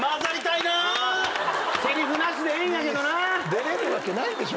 出られるわけないでしょ。